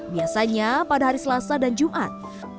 biasanya pada hari selasa dan jumat